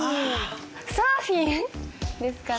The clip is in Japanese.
サーフィンですかね？